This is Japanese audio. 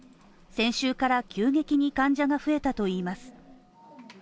先週から急激に患者が増えたといいます。